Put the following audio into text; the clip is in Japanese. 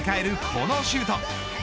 このシュート。